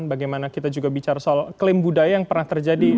bagaimana kita juga bicara soal klaim budaya yang pernah terjadi